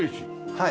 はい。